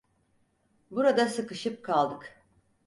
Burada sıkışıp kaldık.